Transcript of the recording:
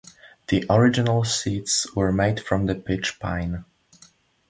The original seats were made from pitch pine.